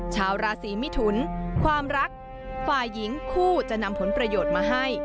ชาวราศีมิถุนความรักฝ่ายหญิงคู่จะนำผลประโยชน์มาให้